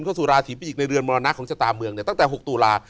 เข้าสู่ราศีพิจิกในเรือนมรณะของชะตาเมืองเนี่ยตั้งแต่๖ตุลา